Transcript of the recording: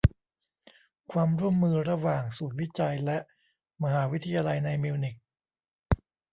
ความร่วมมือระหว่างศูนย์วิจัยและมหาวิทยาลัยในมิวนิก